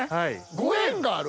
ご縁がある？